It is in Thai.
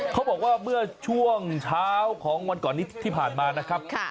เขาบอกว่าเมื่อช่วงเช้าของวันก่อนนี้ที่ผ่านมานะครับ